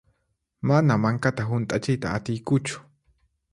Mana mankata hunt'achiyta atiykuchu.